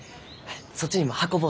そっちにも運ぼうと。